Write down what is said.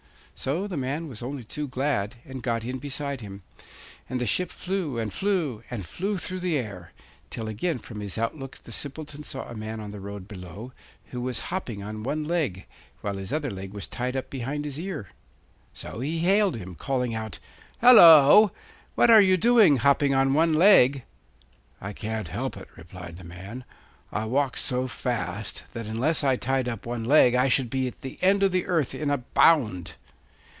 So the man was only too glad, and got in beside him; and the ship flew, and flew, and flew through the air, till again from his outlook the Simpleton saw a man on the road below, who was hopping on one leg, while his other leg was tied up behind his ear. So he hailed him, calling out: 'Hallo! what are you doing, hopping on one leg?' 'I can't help it,' replied the man. 'I walk so fast that unless I tied up one leg I should be at the end of the earth in a bound.